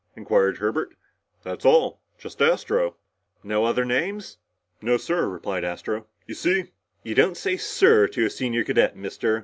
inquired Herbert. "That's all. Just Astro." "No other names?" "No, sir," replied Astro. "You see " "You don't say 'sir' to a senior cadet, Mister.